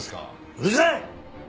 うるさい！